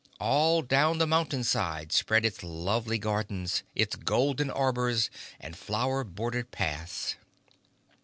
All down the mountain side spread its lovely gardens, its golden arbors and flower bordered paths.